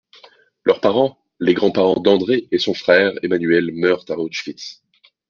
Leurs parents, les grands-parents d'André et son frère Emmanuel meurent à Auschwitz.